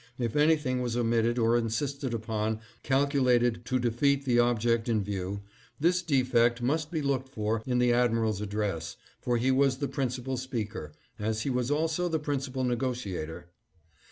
If anything was omitted or insisted upon calculated to defeat the object in 736 NEGOTIATIONS FOR THE MOLE ST. NICOLAS. view, this defect must be looked for in the admiral's address, for he was the principal speaker, as he was also the principal negotiator.